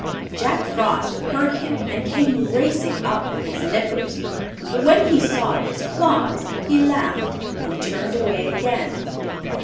Jack Frost heard him and came racing up with his nippers, but when he saw it was Claus he laughed and turned away again.